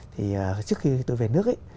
trước khi tôi về nước ấy